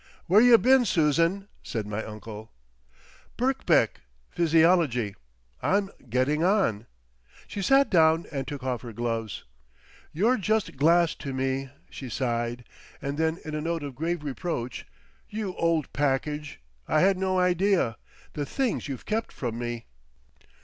"Where ya been, Susan?" said my uncle. "Birkbeck—Physiology. I'm getting on." She sat down and took off her gloves. "You're just glass to me," she sighed, and then in a note of grave reproach: "You old Package! I had no idea! The Things you've kept from me!"